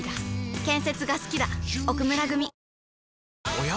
おや？